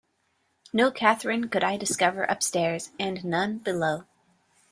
No Catherine could I discover upstairs, and none below.